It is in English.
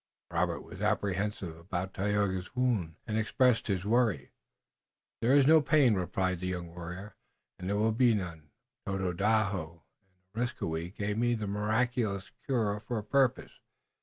Robert was apprehensive about Tayoga's wound and expressed his solicitude. "There is no pain," replied the young warrior, "and there will be none. Tododaho and Areskoui gave me the miraculous cure for a purpose.